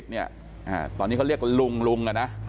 ตอนนี้เขาเรียกลุงนะ